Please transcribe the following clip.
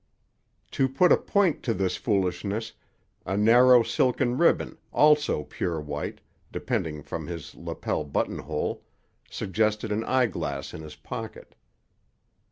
To put a point to this foppishness, a narrow silken ribbon, also pure white, depending from his lapel buttonhole, suggested an eye glass in his pocket.